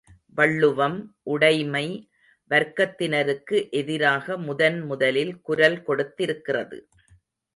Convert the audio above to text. வள்ளுவம் உடைமை வர்க்கத்தினருக்கு எதிராக முதன்முதலில் குரல் கொடுத்திருக்கிறது.